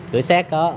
cửa xét có